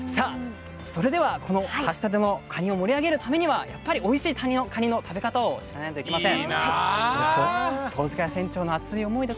それでは、橋立のカニを盛り上げるためにはおいしいカニの食べ方を知らないといけません。